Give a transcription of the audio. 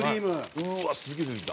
うわっすげえ出てきた。